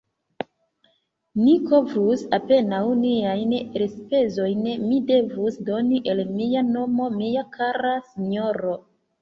Ni kovrus apenaŭ niajn elspezojn; mi devus doni el mia mono, mia kara sinjoro!